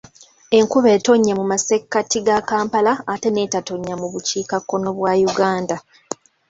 Enkuba etonnye mu masekkati ga Kampala ate n'etatonnya mu bukiikakkono bwa Uganda.